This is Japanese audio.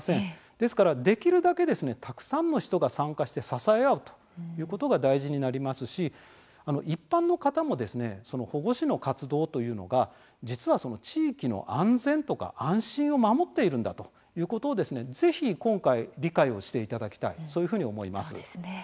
ですから多くの人がたくさんの人が参加して支え合うということが大事になりますし一般の方も保護司の活動というのが実は地域の安全とか安心を守っているんだということをぜひ今回、理解していただきたいそういうふうに思います。